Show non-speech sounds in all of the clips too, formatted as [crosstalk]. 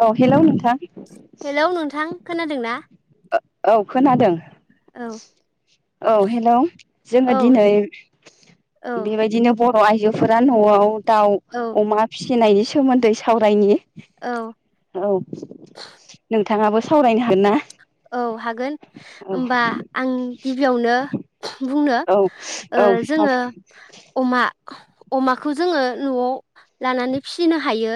औ हेलौ नोंथां। हेलौ नोंथां खोनादों ना? ओ औ खोनादों। औ औ हेल जोङो औ दिनै औ बेबायदिनो बर आइजोफोरा नआव दाउ औ अमा फि फिसिनायनि सोमोन्दै सावरायनि औ औ नों नोंथाङाबो सावरायनो हागोन ना? औ हागोन औ ओमबा आं गिबियावनो बुं नो औ ओ औ जोङो अमा अमाखौ जोङो नआव लानानै फिसिनो हायो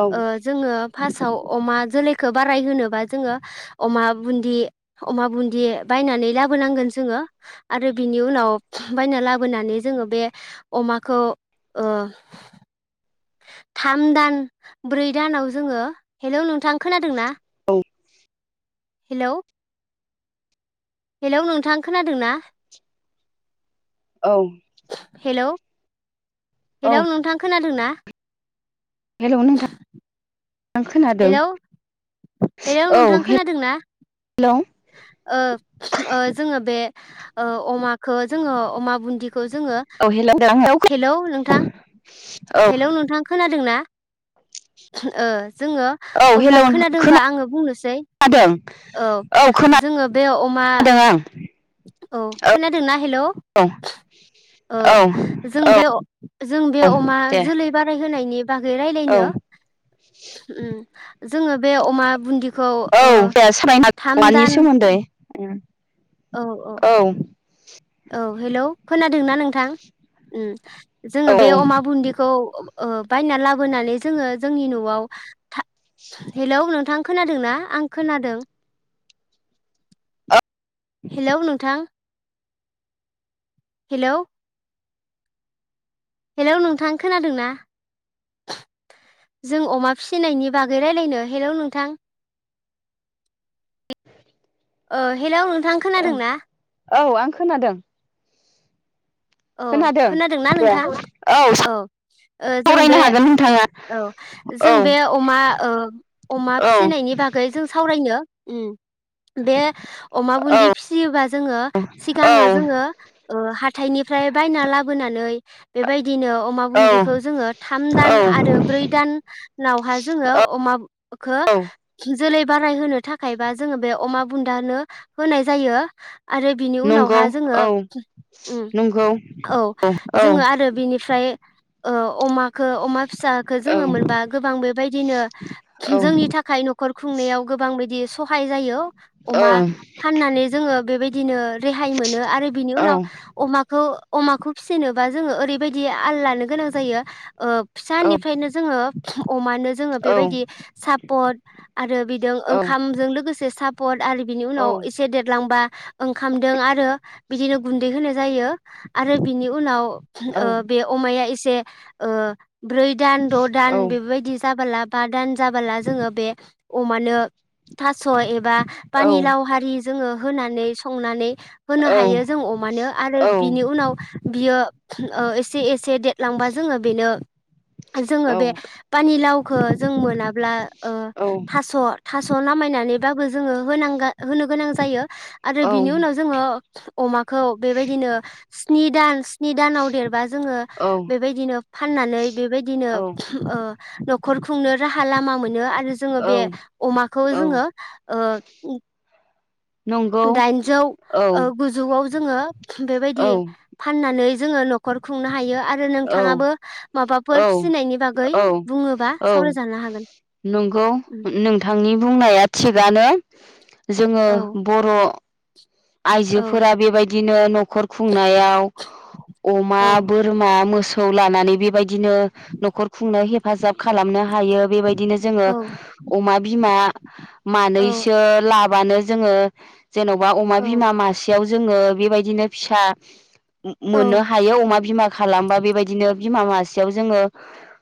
औ ओ जोङो फार्स्टआव अमा जोलैखौ बा ट्राइ होनोबा जोङो अमा बुन्दि अमा बुन्दि बायनानै लाबोनांगोन जोङो आरो बिनि उनाव बायना लाबोनानै जोङो बे अमाखौ थाम दान ब्रै दानाव जोङो हेलौ नोंथां खोनादों ना? [unintelligible] हेलौ। हेलौ नोंथां खोनादों ना? औ हेल'। हेलौ नोंथां खोनादों दोना? हेल नोंथां खोनादों हेलौ हेल नोंथां खोनादों ना? हेल। ओ ओ जोङो बे ओ अमाखौ जोङो अमा बुन्दि खौ जोङो औ हेलौ हेल नोंथां औ हेलौ नोंथां खोनादोंना? ओ। जोङो औ अब्ला हेलौ खोनादोंबा आङो बुंनोसै खोनादों औ जोङो बे अमा आं औ खोनादोंना हेल' औ औ जों औ बे जों बे अमा दे जोलै बारायहोनायनि बागै औ रायज्लायनो ओम जोङो बे अमा बुन्दिखौ दे सावरायनो हागोन थाम औवानि दान सोमोन्दै [unintelligible] औ औ हेल खोनादोंना नोंथां जोङो औ बे अमा बुन्दिखौ ओ बायना लाबोनानै जोङो जोंनि न'आव हेलौ नोंथां खोनादोंनाा आं खोनादों हेलौ नोंथां हेलौ हेलौ नोंथां खोनादों ना जों अमा फिसिनायनि बागै राय्लायनो हेलौ नोंथां ओ हेल' थां खोनादों ना औ आं खोनादों औ खोनादों खोनादोंना नोंथां औ ओ जों बे सावरायनो हागोन नोंथाङा औ औ जों बे अमा ओ अमा औ फिसिनायनि बागै जों सावरायनो ओम बे अमा औ बुदि फियोबा जोङो औ सिगाङो जोङो ओ हाथाइनि ओमफ्राय बायना लाबोनानै बेबायदि बिदिनो अमा औ बुदिखौ जोङो थाम दान औ आरो ब्रै दानावहा जोङो अमा खौ औ जोलै बाराय होनो थाखायबा जोङो बे अमा बुन्दानो होनाय जायो आरो बिनि नंगौ उनावहा जोङो औ ओं नंगौ औ जोङो आरो बिनिफ्राय ओ अमा खौ अमा फिसाखौ औ जोङो मोनबा गोबां बेबायदिनो औ जोंनि थाखाय न'खर खुंनायाव गोबां बायदि सहाय जायो औ अमा फाननानै जोङो बेबायदि बिदिनो रेहाय मोनो आरो बिनि औ औ उनाव अमा खौ अमाखौ फिसिनोबा जोङो ओरैबायदि आल लानो गोनां जायो ओ फिसानिफ्रायनो जोङो अमानो जोङो बेबायदि सापद आरो बिदों ओंखामजों लोगोसे सा आरो बिनि उनाव एसे देरलांबा ओंखामदों आरो बिदिनो गुन्दै होनाय जायो आरो बिनि उनाव ओ बे अमाया ए से ओ ब्रै दान द' दान बेफोरबायदि जाबाला बा दान जाबाला जोङो बे अमानो थास' एबा पानि लाव हारि जोङो होनानै संनानै होनो हायो जों अमानो आरो बिनि उनाव बियो ओ एसे एसे देद लांबा जोङो बेनो जोङो बे पानिलाव खो जों मोनाब्ला ओ थास' थास' नामायनानै बाबो जोङो होनांगा होनो गोनां जायो। आरो बिनि उनाव जोङो अमाखौ बेबायदिनो स्नि दान स्नि दानाव देरबा जोङो बेबायदिनो फाननानै बेबायदिनो औ ओ न'खर खुंनो राहा लामा मोनो आ रो जोङो बे अमाखौ जोङो औ ओ नंगौ दाइनजौ औ ओ गुजौआव जोङो बेबायदि फाननानै जोङो न'खर खुंनो हायो आरो नोंथाङाबो औ माबाफोर फिसिनायनि बागै औ बुङोबा औ सावरायजानो हागोन। नंगौ नोंथांनि बुंनाया थिगानो। जोङो औ बर' औ आइजोफोरा बेबाय दिनो न' खर खुंनायाव अमा, औ बोर मा मोसौ लानानै बेबाय दिनो न'खर खुंनो हेफा जाब खालामनो हायो बेबायदिनो औ जोङो अमा बिमा औ मानैसो ला बानो जोङो जेन'बा अमा बिमा मासेयाव जोङो बेबायदिनो फिसा औ मो-मोननो हायो अमा बिमा खालामबा बेबायदिनो बिमा मासेयाव जोङो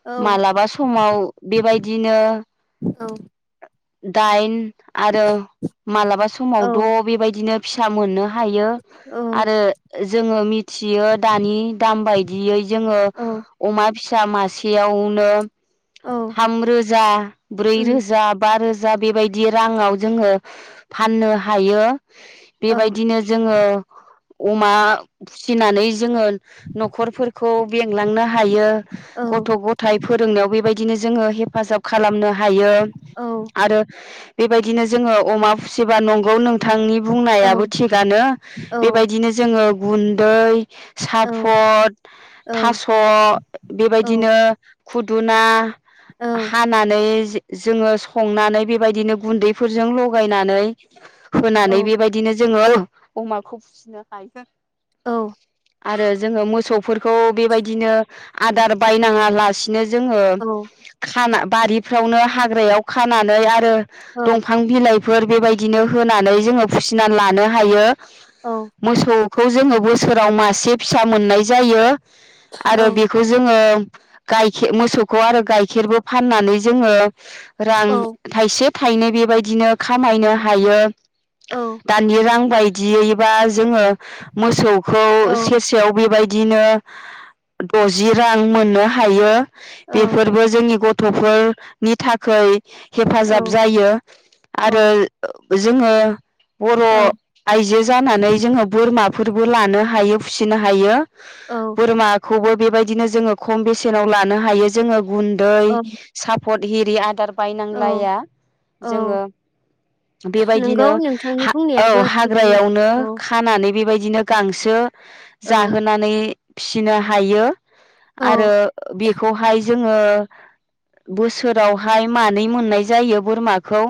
औ मालाबा समाव बेबायदिनो औ दाइन आरो मालाबा समावथ' बेबायदिनो फिसा मोनो हायो औ आरो जोङो मिथियो दानि दाम बियै जोङो औ अमा फिसा मासेयावनो औ थाम रोजा ब्रै उम रोजा बा रोज जा बेबायदि राङाव जोङो फाननो हायो। औ बेबायदिनो जोङो अमा फिसिनानै जोङो न'खरफोरखौ बेंलांनो हायो औ गथ' गथाय फोरोंनायाव बेबाय बिदिनो जोङो हेफाजाब खालामनो हायो औ आरो बेबायदिनो जोङो अमा फिसिबा नंगौ नोंथांनि औ बुंनायाबो थिगानो औ बेबायदिनो जोङो गुन्दै औ साफद थास' औ बेबायदिनो खु दुना हानानै जे जोङो संनानै बेबायदिनो गुन्दैफोरजों लगायनानै औ होनानै बेबायदिनो जोङो अमाखौ फिसिनो हायो। आरो जोङो मोसौ फोरखौ बेबायदिनो आदार बायनाङा लासिनो जोङो औ औ खाना बारिफ्रावनो हाग्रायाव खानानै आरो औ दंफां बिलाइ फोर बेबायदिनो होनानै जोङो फिसिनानै लानो हायो। मोसौ। खौ जोङो बोसोराव मासे फिसा मोननाय जायो। आरो बेखौ जोङो गायखे मोसौ खौ आरो गाइखेरबो फाननानै जोङो रां थाइसे थायोनो बेबायदिनो। खामायनो हायो दानि रां। बायदियैबा। जोङो मोसौखौ सेरसेयाव बेबायदि। दिनो दजि रां मोननो हायो। बेफोरबो जोंनि ग थफोरनि थाखै। हेफाजाब औ जायो आरो औ जोङो। बर' औ आइजो जानानै जोङो बोरमा। फोरबो लानो हायो फिसिनो हायो। औ बोरमा खौबो बेबायदिनो जोङो खम बेसेनाव लानो हायो। जोङो। गुन्दै औ साफ पद हिरि आदार। औ बायनांलाया औ जोङो नंगौ बेबायदिनो नोंथांनि हा बुंनायाबो औ थिगानो हाग्रायावनो औ खानानै बेबाय दिनो गांसो। औ जाहोनानै। फिसिनो हायो। औ आरो बेखौहाय। ओ बोसोरावहाय मानै मोननाय जायो बोरमाखौ।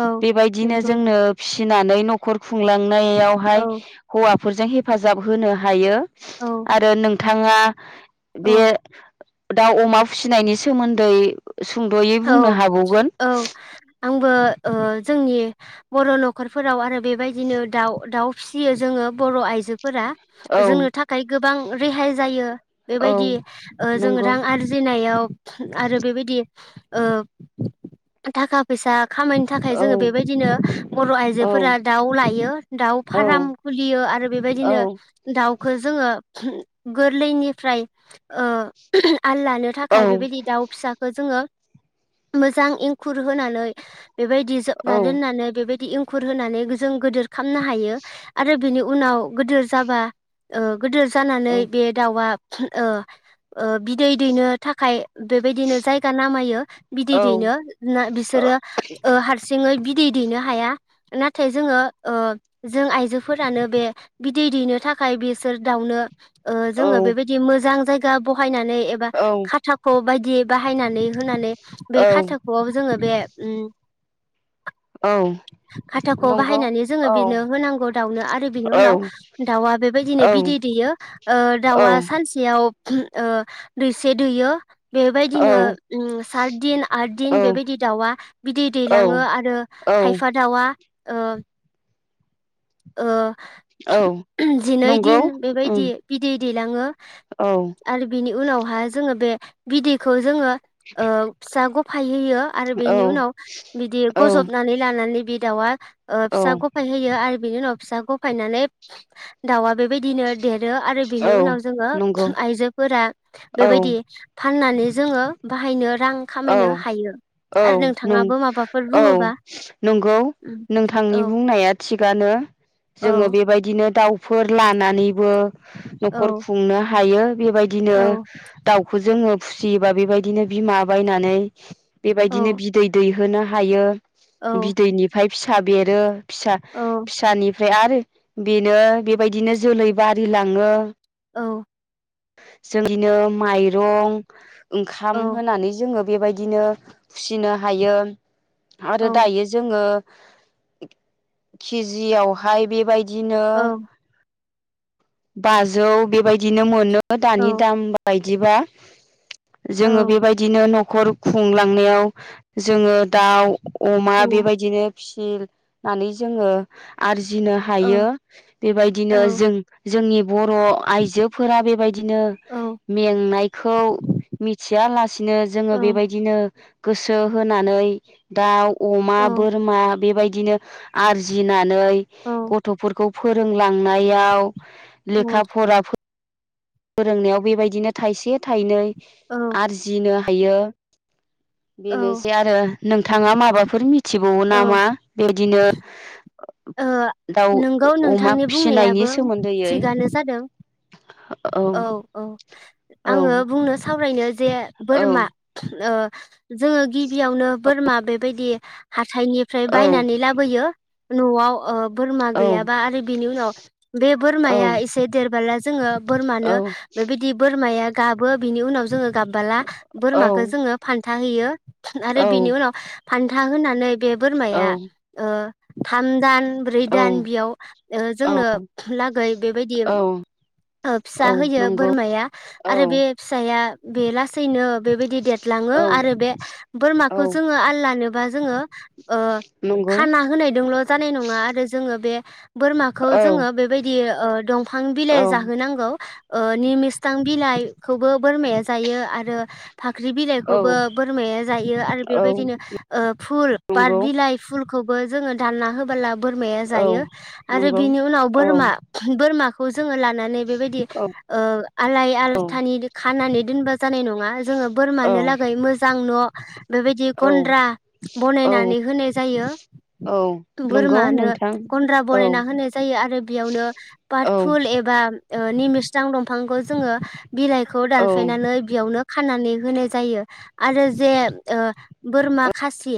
औ बेबायदिनो नंगौ जोंनो फिनानै नखर खुंलांनायावहाय औ हौवाफोरजों हेफाजाब। जाब होनो हायो। औ आरो नों थाङा बे औ दाउ अमा फिसिनायनि सोमोन्दै सुंद'यै बुंनो औ हाबावगोन औ आंबो ओ जोंनि बर' नखरफोराव आरो बेबायदिनो दाउ दाउ फिसियो जोङो बर आइजो फोरा औ जोंनो थाखाय गोबां रेहाय जायो। औ बेबायदि ओ जों नंगौ रां आरजिनायाव आरो बेबायदि ओ थाखा फैसा खामायनो थाखाय औ जोङो बेबायदिनो बर' औ आइजोफोरा दाउ लायो दाउ औ फार्म खुलियो आरो औ बेबायदिनो दाउखौ जोङो गोरलैनिफ्राय ओ आल लानो औ थाखाय बेबायदि दाउ फिसाखौ जोङो मोजां एंखुर होनानै बेबायदि औ जोबना जोबना दोननानै बेबायदि खुर होनानै जों गोदोर खालामनो हायो आरो बिनि उनाव गोदो जाबा ओ गोदो जानानै बे दाउआ ओ बिदै दैनो थाखाय बेबायदिनो जायगा नामायो। बिदै औ दैनो ना बिसोरो ओ हारसिङै बिदै दैनो हाया नाथाय जोङो ओ जों आइजोफोरानो बे बिदै दैनो थाखाय बेसोर दाउनो ओ जोङो बेबायदि मोजां जाय गा बहायना नै एबा औ खाथाखौ बाय गि बाहायनानै होनानै बे औ खाथाख'आव जोङो बे उम। औ खाथाखौ नंगौ बाहायनानै जोङो औ बिनो होनांगौ दाउनो आरो बिनि औ उनाव दाउआ बेबायदिनो औ बिदै दैयो ओ औ दाउआ सानसेयाव ओ दैसे दैयो। बेबायदिनो औ साथ दिन, आथ दिन औ बेबायदि दाउआ बिदै दैलाङो औ आरो औ खायफा दाउआ ओ ओ औ जिनै नंगौ दिन उम बेबायदि बिदै दैलाङो औ आरो बिनि उनावहाय जोंङो बे बिदैखौ जोंङो ओ फिसा गफ होयो आरो औ बेनि उनाव बिदि औ गजब लानानै बे दाउआ ओ औ फिसा गफाय होयो आरो बिनि उनाव फिसा फायनानै दाउआ बेबायदिनो देर रो आरो बेनि उनाव जोंङो नंगौ आइजोफोरा औ बेबायदि फाननानै जोंङो बाहायनो रां औ खामायनो हायो। औ आरो नं नोंथाङाबो माबाफोर औ बुङोबा? नंगौ उम नोंथांनि औ बुंनाया थिगानो औ जोंङो बेबायदिनो दाउ फोर लानानैबो न'खर औ खुंनो हायो बेबायदिनो औ दाउ खौ जोंङो फुसियोबा बेबायदिनो बिमा बायनानै औ बेबायदिनो बिदै दै होनो हायो। बिदैनिफ्राय फिसा बेरो। फिसा औ फिसानि फ्राय आरो बेनो बेबायदिनो जोलै बारिलाङो। औ जोंनिनो माइरं, ओंखाम होनानै जोंङो बेबायदिनो फुसिनो हायो। आरो औ दायो जोंङो केजियावहाय बेबायदि बिदिनो बाजौ बेबायदिनो मोनो। औ दानि दाम बाय जिबा जोङो औ बेबायदिनो न'ख खर खुंलांनायाव जोङो दाउ अमा औ बेबायदिनो फिसि नानै जोङो आरजि नो हायो औ बेबायदिनो औ जों जोंनि बर' आइजोफोरा बेबायदिनो औ मेंनायखौ मिथियालासिनो औ जोङो बेबायदिनो गोसो होनानै दाउ अमा औ बोरमा बेबाय दिनो आरजिना नै औ गथ'फोरखौ फोरोंलांनायाव लेखा फराफो फोरोंनायाव बेबायदिनो थाइसे थाइनै औ आरजिनो हायो औ बेनोसै आरो नोंथाङा माबाफोर मिथिबावो नामा? बेदिनो ओ दाउ नोंगौ अमा नोंथांनि फिसिनायनि बुंनायाबो सोमोन्दैयै थिगानो जादों। औ औ औ आङो बुंनो सावरायनो जे औ बोरमा ओ जोङो गिबियावनो बोरमा बेबायदि हा थाइनिफ्राय औ बायनानै लाबोयो। न'आव ओ बोरमा औ गैयाबा आरो बिनि उनाव बे बोरमाया औ एसे देरबोला जोङो औ बोरमानो बेबायदि बोरमाया गाबो बिनि उनाव जोङो गाबबोला औ बोरमाखो जोङो फान थाहैयो आरो बिनि उनाव फान्था होनानै बे बोरमाया ओ थामदान ब्रै औ दान बेयाव ओ औ जोंनो लागै बेबायदि औ ओ फिसा औ होयो नंगौ बोरमाया औ आरो बे फिसाया बे लासेैनो बेबायदि देरलांङो औ आरो बे बोरमाखौ औ जोंङो आल लानोबा जोंङो ओ नंगौ खाना होनाय ल' जानाय नंङा आरो जोंङो बे बोरमाखौ औ जोंङो बेबायदि औ‌ दं बिफां बिलाइ औ जाहोनांगौ औ निमि थां‌ बिलाय खौबो बोरमाया जायो आरो फाख्रि औ बिलाइखौबो बोरमाया जायो आरो औ बेबायदिनो ओ फुल बाथ नंगौ बिलाइ फुल खौबो जोंङो दानना होबोला बोरमाया औ जायो आरो नंगौ बिनि उनाव औ बोरमा बोरमाखौ जोंङो लानानै बेबायदि औ ओ आलाय औ आलथानि खानानै दोनबा जानाय नंङा जोंङो औ बोरमानो लागै मोजां न' [inaudible] बेबायदि गन्द्रा औ बनायनानै होनाय जायो औ नंगौ बोरमानो नोंथां गन्द्रा औ बनायना होनाय जायो आरो बेयावनो पाट औ फुल एबा ओ निमिस्रां दंफांखौ जोंङो बिलाइखौ औ दानफायनानै बेयावनो खाननानै होनाय जायो आरो जे ओ बोरमा खासि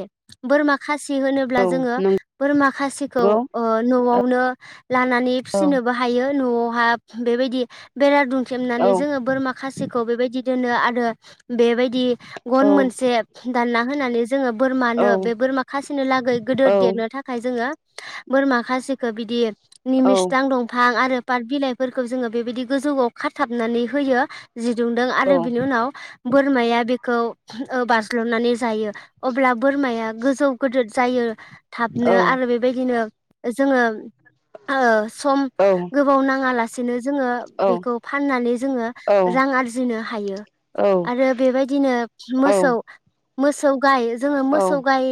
बोरमा खासि फि होनोब्ला औ जोंङो बोरमा खासिखौ नंगौ अ न'आवनो लानानै औ फिसिनोबो हायो न'आवहा बेबायदि बेरा दु औ खेंनानै जोंङो बोरमा खासिखौ बेबायदि दोनो आरो बेबायदि औ गन मोनसे दानना होनानै जोंङो बोरमानो बे बोरमा खासिनो लागै औ गोदोर थाखाय जोंङो बोरमा खासिखो बिदि औ निमिसथां दंफां आरो फाट बिलाइफोरखौ जोंङो बेबायदि गोजौआव खाथाबनानै होयो जि दुंदों औ आरो बिनि उनाव बोरमाया बेखौ अह बाज्ल'नानै जायो अब्ला बोरमाया गोजौ गिदिर जायो थाबनो आरो बेबायदिनो जोङो ओ सम गोबाव नाङाला सिनो जोङो बेखौ फाननानै जोङो रां आरजिनो हायो औ आरो बेबायदिनो औ मोसौ मोसौ गाय जोङो औ मोसौ गाय